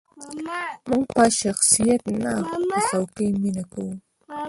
موږ په شخصیت نه، په څوکې مینه کوو.